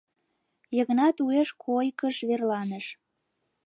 Йыгнат уэш койкыш верланыш.